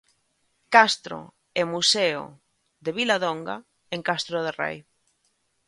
Castro e Museo de Viladonga, en Castro de Rei.